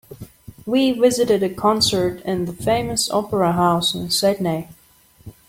We visited a concert in the famous opera house in Sydney.